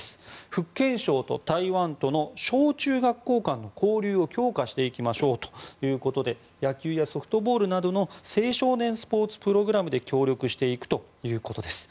福建省と台湾との小中学校間の交流を強化していきましょうということで野球やソフトボールなどの青少年スポーツプログラムで協力していくということです。